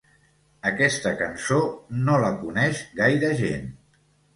Aquesta cançó no la coneix gaire gent.